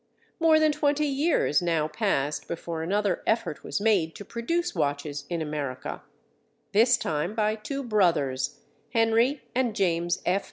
More than twenty years now passed before another effort was made to produce watches in America—this time by two brothers—Henry and James F.